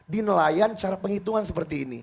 di nelayan cara penghitungan seperti ini